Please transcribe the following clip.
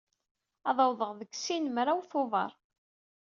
Ad awḍeɣ deg sin mraw Tubeṛ.